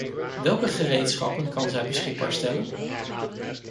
Welke gereedschappen kan zij beschikbaar stellen?